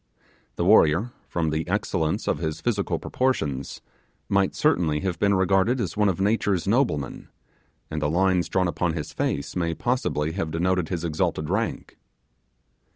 The warrior, from the excellence of his physical proportions, might certainly have been regarded as one of Nature's noblemen, and the lines drawn upon his face may possibly have denoted his exalted rank.